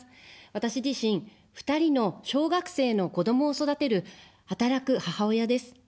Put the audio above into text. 私自身、２人の小学生の子どもを育てる、働く母親です。